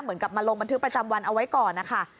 เหมือนกับมาลงบันทึกประจำวันเอาไว้ก่อนนะคะ